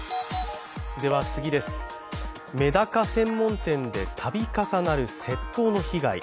メダカ専門店でたび重なる窃盗の被害。